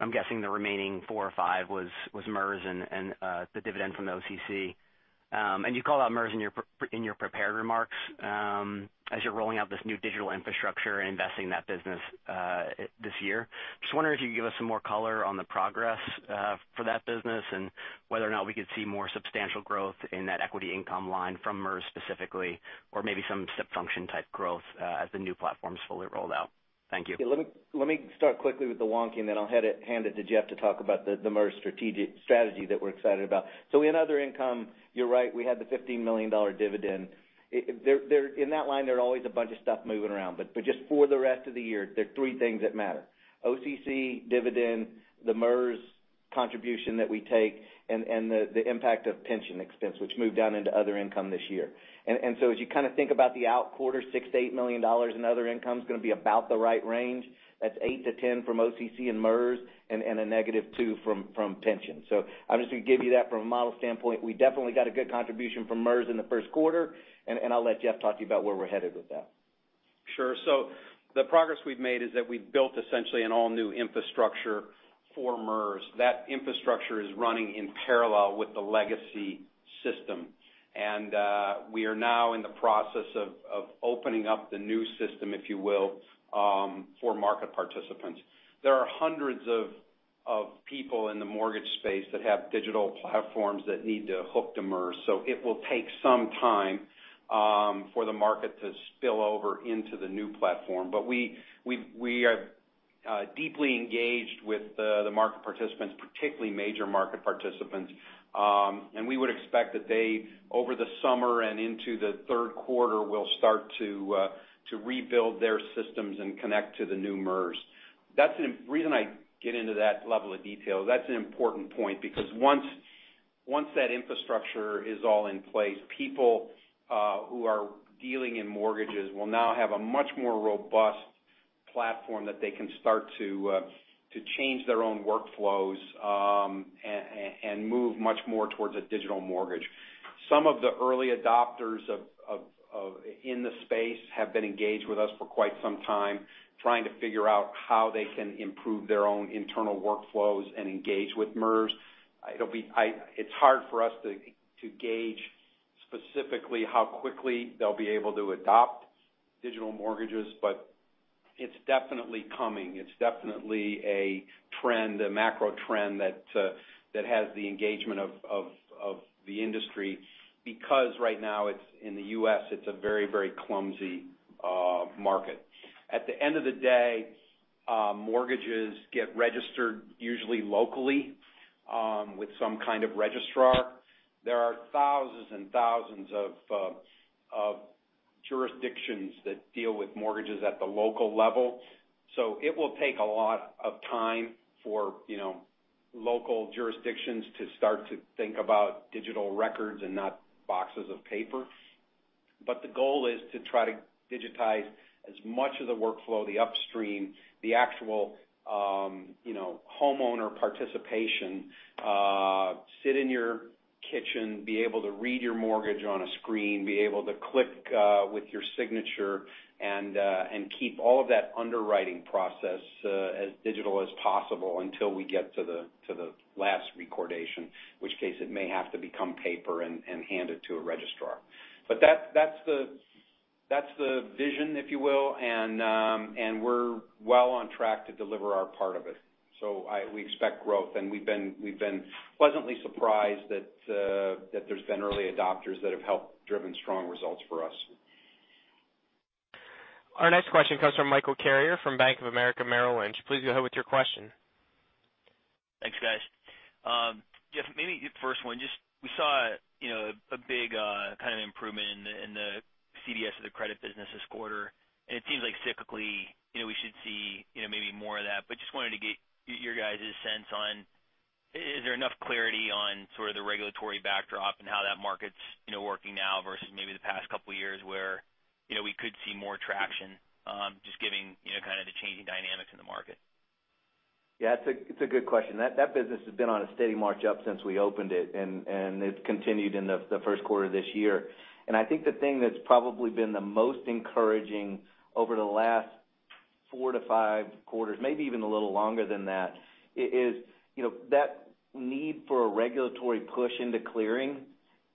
I'm guessing the remaining four or five was MERS and the dividend from the Options Clearing Corporation. You called out MERS in your prepared remarks. As you're rolling out this new digital infrastructure and investing in that business this year, just wondering if you could give us some more color on the progress for that business and whether or not we could see more substantial growth in that equity income line from MERS specifically, or maybe some step-function type growth as the new platform's fully rolled out. Thank you. Yeah, let me start quickly with the modeling, then I'll hand it to Jeff to talk about the MERS strategy that we're excited about. In other income, you're right, we had the $15 million dividend. In that line, there are always a bunch of stuff moving around. Just for the rest of the year, there are three things that matter: Options Clearing Corporation dividend, the MERS contribution that we take, and the impact of pension expense, which moved down into other income this year. As you kind of think about the outquarter, $6 million-$8 million in other income's going to be about the right range. That's $8 million-$10 million from Options Clearing Corporation and MERS, and a negative $2 million from pension. I'm just going to give you that from a model standpoint. We definitely got a good contribution from MERS in the first quarter, and I'll let Jeff talk to you about where we're headed with that. Sure. The progress we've made is that we've built essentially an all-new infrastructure for MERS. That infrastructure is running in parallel with the legacy system. We are now in the process of opening up the new system, if you will, for market participants. There are hundreds of people in the mortgage space that have digital platforms that need to hook to MERS, so it will take some time for the market to spill over into the new platform. We are deeply engaged with the market participants, particularly major market participants. We would expect that they, over the summer and into the third quarter, will start to rebuild their systems and connect to the new MERS. The reason I get into that level of detail, that's an important point, because once that infrastructure is all in place, people who are dealing in mortgages will now have a much more robust platform that they can start to change their own workflows, and move much more towards a digital mortgage. Some of the early adopters in the space have been engaged with us for quite some time, trying to figure out how they can improve their own internal workflows and engage with MERS. It's hard for us to gauge specifically how quickly they'll be able to adopt digital mortgages, but it's definitely coming. It's definitely a trend, a macro trend that has the engagement of the industry, because right now in the U.S., it's a very, very clumsy- Market. At the end of the day, mortgages get registered, usually locally, with some kind of registrar. There are thousands and thousands of jurisdictions that deal with mortgages at the local level. It will take a lot of time for local jurisdictions to start to think about digital records and not boxes of paper. The goal is to try to digitize as much of the workflow, the upstream, the actual homeowner participation. Sit in your kitchen, be able to read your mortgage on a screen, be able to click with your signature and keep all of that underwriting process as digital as possible until we get to the last recordation, in which case, it may have to become paper and handed to a registrar. That's the vision, if you will, and we're well on track to deliver our part of it. We expect growth, and we've been pleasantly surprised that there's been early adopters that have helped driven strong results for us. Our next question comes from Michael Carrier from Bank of America Merrill Lynch. Please go ahead with your question. Thanks, guys. Jeff, maybe the first one. We saw a big kind of improvement in the CDS of the credit business this quarter. It seems like cyclically, we should see maybe more of that, just wanted to get your guys' sense on, is there enough clarity on sort of the regulatory backdrop and how that market's working now versus maybe the past couple of years where we could see more traction, just given kind of the changing dynamics in the market? Yeah, it's a good question. That business has been on a steady march up since we opened it. It's continued in the first quarter of this year. I think the thing that's probably been the most encouraging over the last four to five quarters, maybe even a little longer than that, is that need for a regulatory push into clearing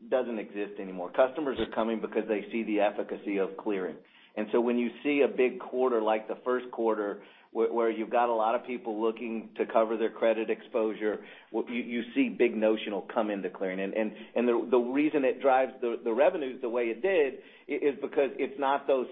doesn't exist anymore. Customers are coming because they see the efficacy of clearing. When you see a big quarter like the first quarter, where you've got a lot of people looking to cover their credit exposure, you see big notional come into clearing. The reason it drives the revenues the way it did is because it's not those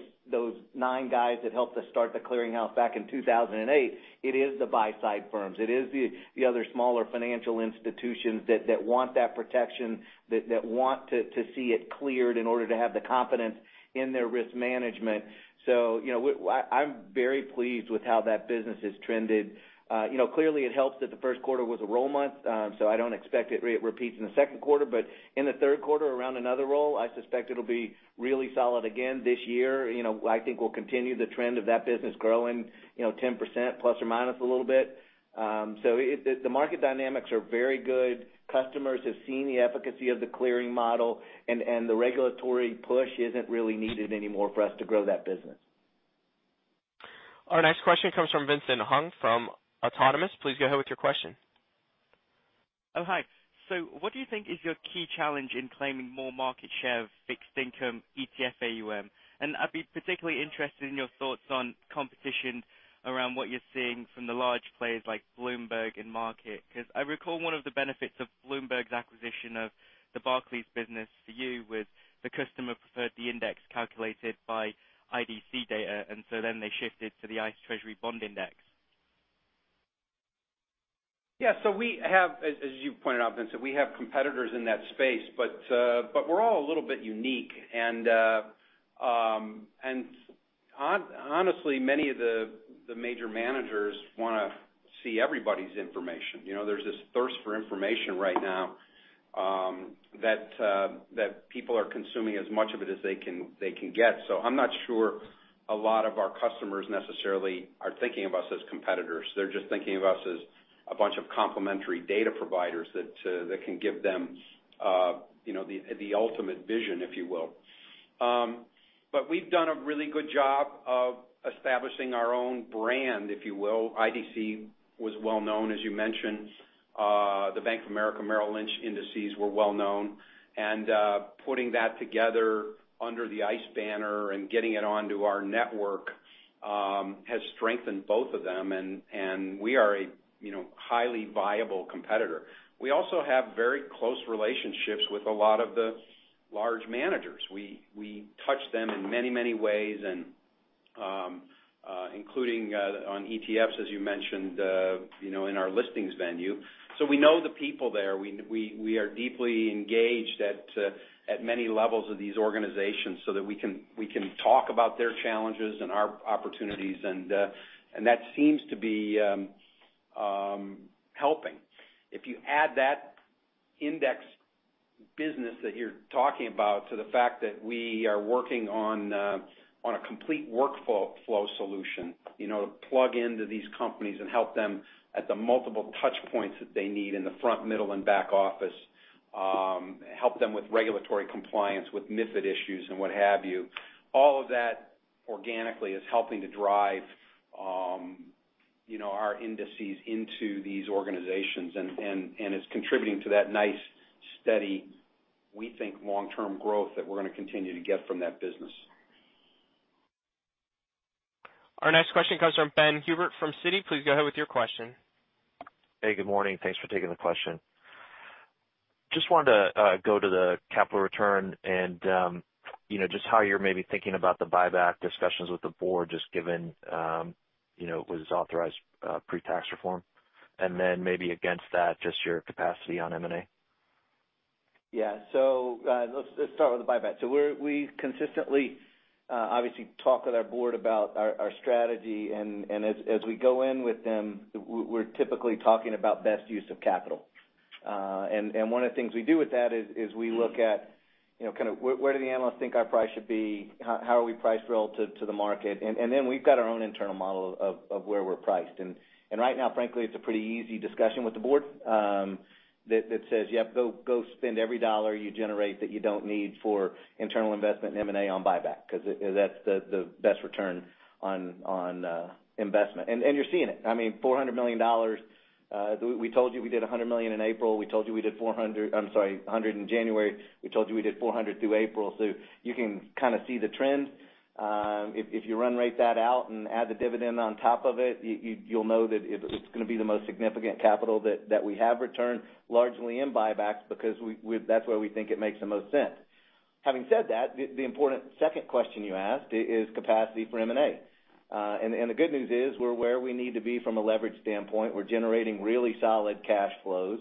nine guys that helped us start the clearing house back in 2008. It is the buy-side firms. It is the other smaller financial institutions that want that protection, that want to see it cleared in order to have the confidence in their risk management. I'm very pleased with how that business has trended. Clearly, it helps that the first quarter was a roll month, I don't expect it repeats in the second quarter, but in the third quarter around another roll, I suspect it'll be really solid again this year. I think we'll continue the trend of that business growing 10% ± a little bit. The market dynamics are very good. Customers have seen the efficacy of the clearing model, the regulatory push isn't really needed anymore for us to grow that business. Our next question comes from Vincent Hung from Autonomous. Please go ahead with your question. Oh, hi. What do you think is your key challenge in claiming more market share of fixed income ETF AUM? I'd be particularly interested in your thoughts on competition around what you're seeing from the large players like Bloomberg and Markit. I recall one of the benefits of Bloomberg's acquisition of the Barclays business for you was the customer preferred the index calculated by IDC data, then they shifted to the ICE Treasury Bond Index. Yeah. We have, as you pointed out, Vincent, we have competitors in that space, we're all a little bit unique. Honestly, many of the major managers want to see everybody's information. There's this thirst for information right now that people are consuming as much of it as they can get. I'm not sure a lot of our customers necessarily are thinking of us as competitors. They're just thinking of us as a bunch of complementary data providers that can give them the ultimate vision, if you will. We've done a really good job of establishing our own brand, if you will. IDC was well known, as you mentioned. The Bank of America Merrill Lynch indices were well known. Putting that together under the ICE banner and getting it onto our network has strengthened both of them, we are a highly viable competitor. We also have very close relationships with a lot of the large managers. We touch them in many ways, including on ETFs, as you mentioned, in our listings venue. We know the people there. We are deeply engaged at many levels of these organizations so that we can talk about their challenges and our opportunities, that seems to be helping. If you add that index business that you're talking about to the fact that we are working on a complete workflow solution to plug into these companies, help them at the multiple touch points that they need in the front, middle, and back office, and help them with regulatory compliance, with MiFID issues and what have you. All of that organically is helping to drive our indices into these organizations, it's contributing to that nice, steady, we think, long-term growth that we're going to continue to get from that business. Our next question comes from Ben Herbert from Citi. Please go ahead with your question. Hey, good morning. Thanks for taking the question. Just wanted to go to the capital return and just how you're maybe thinking about the buyback discussions with the board, just given what is authorized pre-tax reform. Maybe against that, just your capacity on M&A. Yeah. Let's start with the buyback. We consistently obviously talk with our board about our strategy. As we go in with them, we're typically talking about best use of capital. One of the things we do with that is we look at kind of where do the analysts think our price should be? How are we priced relative to the market? We've got our own internal model of where we're priced. Right now, frankly, it's a pretty easy discussion with the board that says, "Yep, go spend every dollar you generate that you don't need for internal investment and M&A on buyback," because that's the best return on investment. You're seeing it. $400 million. We told you we did $100 million in April. We told you we did $100 in January. We told you we did $400 through April. You can kind of see the trend. If you run rate that out and add the dividend on top of it, you'll know that it's going to be the most significant capital that we have returned largely in buybacks because that's where we think it makes the most sense. Having said that, the important second question you asked is capacity for M&A. The good news is we're where we need to be from a leverage standpoint. We're generating really solid cash flows.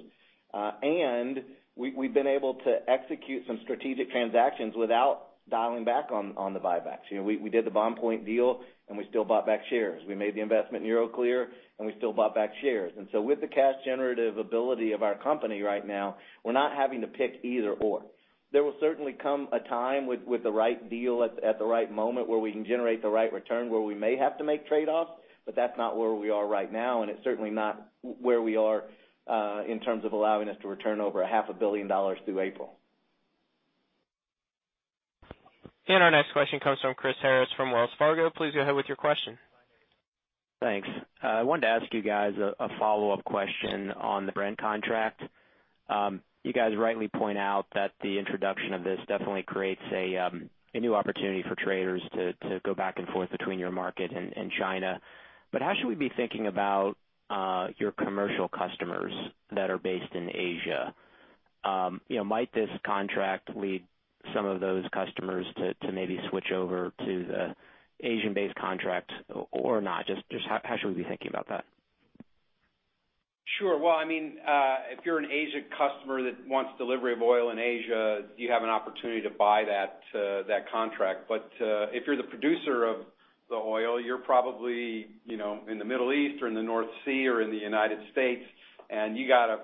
We've been able to execute some strategic transactions without dialing back on the buybacks. We did the BondPoint deal and we still bought back shares. We made the investment in Euroclear, we still bought back shares. With the cash generative ability of our company right now, we're not having to pick either/or. There will certainly come a time with the right deal at the right moment where we can generate the right return, where we may have to make trade-offs. That's not where we are right now. It's certainly not where we are in terms of allowing us to return over a half a billion dollars through April. Our next question comes from Chris Harris from Wells Fargo. Please go ahead with your question. Thanks. I wanted to ask you guys a follow-up question on the Brent contract. You guys rightly point out that the introduction of this definitely creates a new opportunity for traders to go back and forth between your market and China. How should we be thinking about your commercial customers that are based in Asia? Might this contract lead some of those customers to maybe switch over to the Asian-based contract or not? Just how should we be thinking about that? Sure. If you're an Asian customer that wants delivery of oil in Asia, you have an opportunity to buy that contract. If you're the producer of the oil, you're probably in the Middle East or in the North Sea or in the United States, and you got to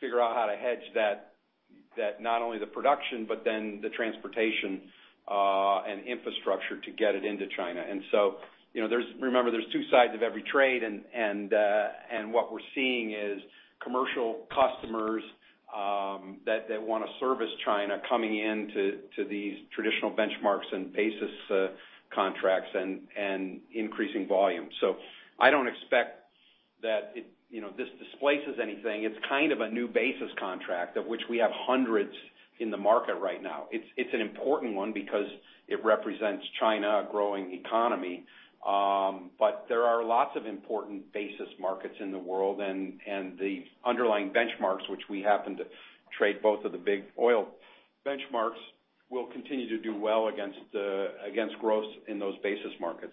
figure out how to hedge that, not only the production, but then the transportation and infrastructure to get it into China. Remember, there's two sides of every trade. What we're seeing is commercial customers that want to service China coming into these traditional benchmarks and basis contracts and increasing volume. I don't expect that this displaces anything. It's kind of a new basis contract of which we have hundreds in the market right now. It's an important one because it represents China growing economy. There are lots of important basis markets in the world, and the underlying benchmarks, which we happen to trade both of the big oil benchmarks, will continue to do well against growth in those basis markets.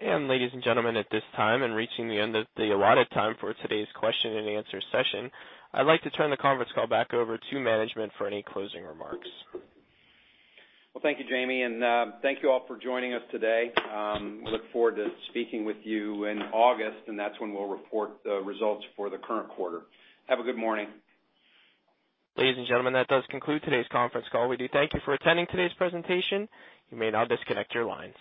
Ladies and gentlemen, at this time, in reaching the end of the allotted time for today's question and answer session, I'd like to turn the conference call back over to management for any closing remarks. Thank you, Jamie, and thank you all for joining us today. Look forward to speaking with you in August, and that's when we'll report the results for the current quarter. Have a good morning. Ladies and gentlemen, that does conclude today's conference call. We do thank you for attending today's presentation. You may now disconnect your lines.